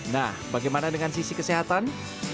nah bagaimana dengan sisi kesehatan